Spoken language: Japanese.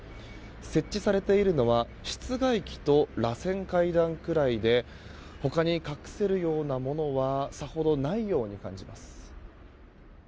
設置されているのは室外機と螺旋階段くらいで他に隠せるようなものはさほどないように感じます。